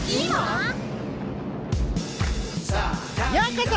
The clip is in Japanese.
ようこそ！